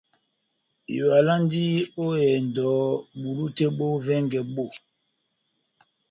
Ivalandi ó ehɛndɔ bulu tɛ́h bó vɛngɛ bó.